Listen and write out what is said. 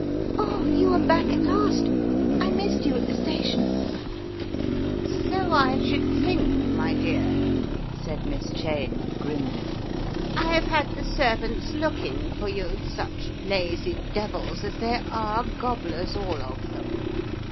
"Oh, you are back at last. I missed you at the station " "So I should think, my dear," said Miss Cheyne, grimly. " I've had the servants looking for you, such lazy devils as they are, gobblers all of them.